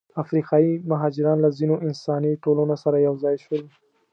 افریقایي مهاجران له ځینو انساني ټولنو سره یوځای شول.